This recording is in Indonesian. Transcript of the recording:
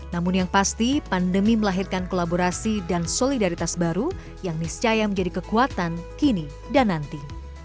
namun yang pasti pandemi melahirkan kolaborasi dan solidaritas baru yang niscaya menjadi kekuatan kini dan nanti